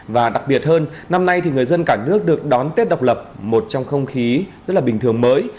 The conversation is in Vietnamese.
và đặc biệt hơn năm nay thì người dân cả nước được đón tết độc lập một trong không khí rất là bình thường mới